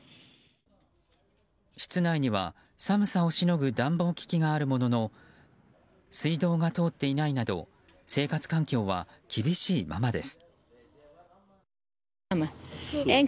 室内には寒さをしのぐ暖房機器があるものの水道が通っていないなど生活環境は厳しいままです。